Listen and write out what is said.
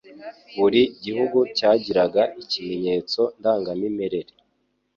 Buri gihugu cyagiraga ikimenyetso ndangamimerere